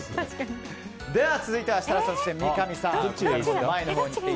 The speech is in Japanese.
では続いて設楽さん、三上さん。